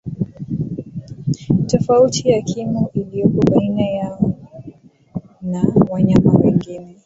tofauti ya kimo iliyopo baina yao na wanyama wengine